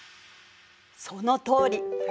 そのとおり。